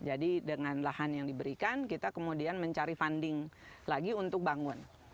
jadi dengan lahan yang diberikan kita kemudian mencari funding lagi untuk bangun